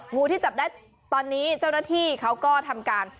งูที่จับได้ตอนนี้เจ้าหน้าที่เขาก็ทำการ